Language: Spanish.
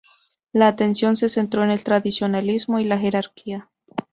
La atención se centró en el tradicionalismo y la jerarquía.